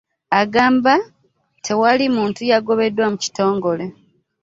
Agamba tewali muntu yaagobeddwa mu kitongole